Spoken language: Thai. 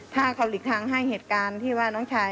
ถ้าเขาหลีกทางให้เหตุการณ์ที่ว่าน้องชาย